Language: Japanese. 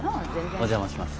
お邪魔します。